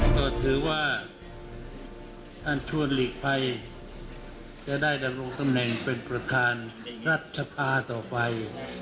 ก็ถือว่าท่านชวนหลีกภัยจะได้ดำรงตำแหน่งเป็นประธานรัฐสภาต่อไป